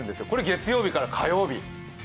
これが月曜日から火曜日。